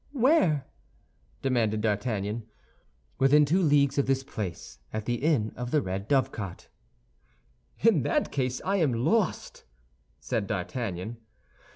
"Where?" demanded D'Artagnan. "Within two leagues of this place, at the inn of the Red Dovecot." "In that case I am lost," said D'Artagnan.